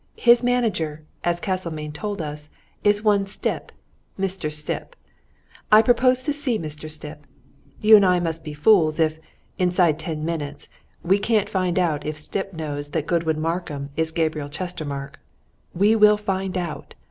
His manager, as Castlemayne told us, is one Stipp Mr. Stipp. I propose to see Mr. Stipp. You and I must be fools if, inside ten minutes, we can't find out if Stipp knows that Godwin Markham is Gabriel Chestermarke! We will find out!